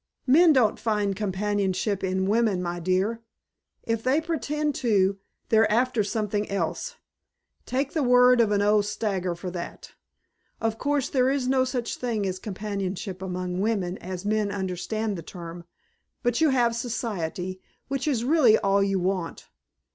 "Men don't find companionship in women, my dear. If they pretend to they're after something else. Take the word of an old stager for that. Of course there is no such thing as companionship among women as men understand the term, but you have Society, which is really all you want.